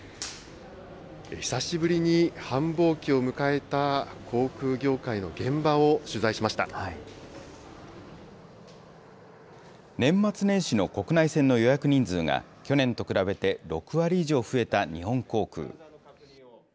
久しぶりに繁忙期を迎えた航空業年末年始の国内線の予約人数が、去年と比べて６割以上増えた日本航空。